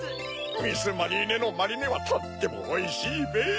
ミス・マリーネのマリネはとってもおいしいべ。